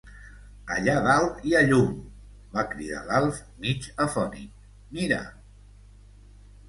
Allà dalt hi ha llum! —va cridar l'Alf, mig afònic— Mira!